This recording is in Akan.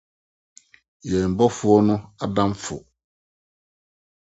yɛn Bɔfo no adamfo